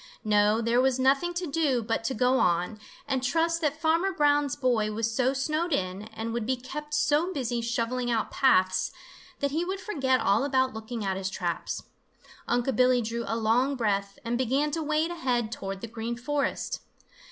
No, there was nothing to do but to go on, and trust that Farmer Brown's boy was so snowed in and would be kept so busy shovelling out paths, that he would forget all about looking at his traps. Unc' Billy drew a long breath and began to wade ahead toward the Green Forest.